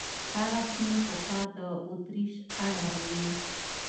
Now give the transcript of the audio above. هغه سیمې پخوا د اتریش اړوند وې.